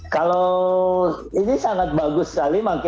kalau ini sangat bagus sekali mas budi